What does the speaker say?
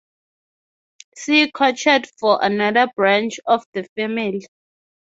See Couchet for another branch of the family.